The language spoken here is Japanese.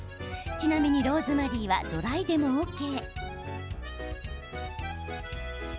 ちなみにローズマリーはドライでもＯＫ。